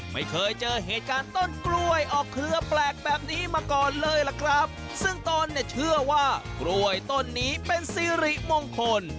ไม่เคยเจอเหตุการณ์ต้นกล้วยออกเครือแปลกแบบนี้มาก่อนเลยล่ะครับซึ่งตนเนี่ยเชื่อว่ากล้วยต้นนี้เป็นสิริมงคล